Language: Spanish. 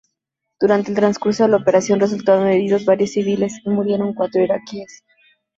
Durante el transcurso de la operación, resultaron heridos varios civiles y murieron cuatro iraquíes.